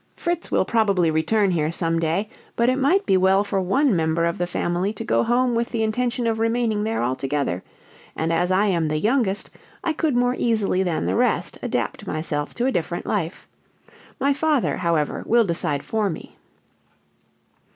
"Fritz will probably return here some day; but it might be well for one member of the family to go home with the intention of remaining there altogether, and as I am the youngest I could more easily than the rest adapt myself to a different life. My father, however, will decide for me."